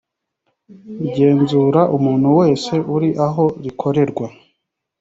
igenzura umuntu wese uri aho rikorerwa